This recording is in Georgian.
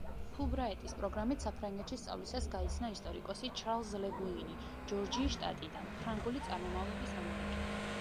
ფულბრაიტის პროგრამით საფრანგეთში სწავლისას გაიცნო ისტორიკოსი ჩარლზ ლე გუინი ჯორჯიის შტატიდან, ფრანგული წარმომავლობის ამერიკელი.